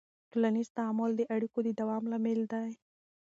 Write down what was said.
ټولنیز تعامل د اړیکو د دوام لامل دی.